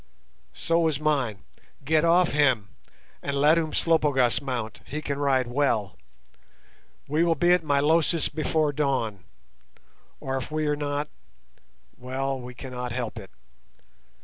"So is mine. Get off him, and let Umslopogaas mount; he can ride well. We will be at Milosis before dawn, or if we are not—well, we cannot help it.